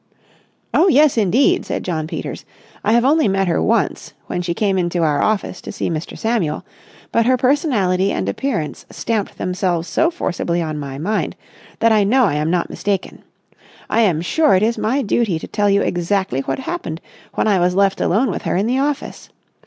"Oh, yes, indeed!" said Jno. Peters. "I have only met her once, when she came into our office to see Mr. Samuel, but her personality and appearance stamped themselves so forcibly on my mind, that I know I am not mistaken. I am sure it is my duty to tell you exactly what happened when I was left alone with her in the office.